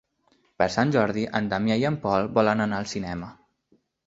Per Sant Jordi en Damià i en Pol volen anar al cinema.